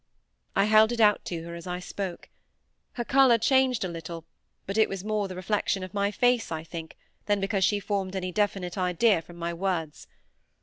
I held it out to her as I spoke. Her colour changed a little, but it was more the reflection of my face, I think, than because she formed any definite idea from my words.